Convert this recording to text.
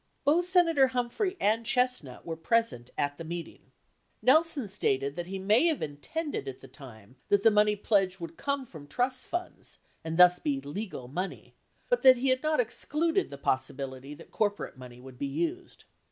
49 Both Senator Humphrey and Chestnut were present at that meeting. Nelson stated he may have intended at the time that the money pledged would come from trust funds (and thus be legal money) but that he had not excluded the possibility that cor porate money would be used.